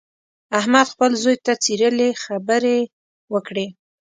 احمد خپل زوی ته څیرلې خبرې وکړې.